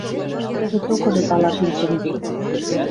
Тӹдӹ токыжы талашен чӹмде.